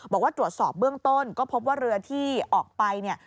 บอกว่าตรวจสอบเบื้องต้นก็พบว่าเรือที่ออกไปเนี่ย